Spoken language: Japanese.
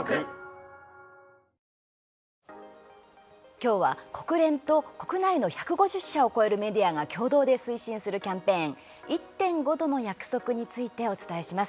今日は国連と国内の１５０社を超えるメディアが共同で推進するキャンペーン「１．５℃の約束」についてお伝えします。